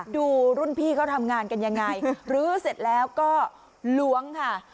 ดูรุ่นพี่เขาทำงานกันยังไงลื้อเสร็จแล้วก็ล้วงค่ะ